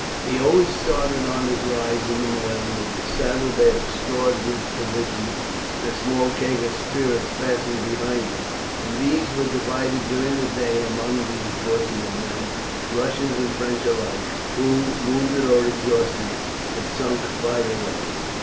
He always started on his rides in the morning with his saddle bag stored with provisions, and a small keg of spirits fastened behind him, and these were divided during the day among the unfortunate men, Russians and French alike, who, wounded or exhausted, had sunk by the way.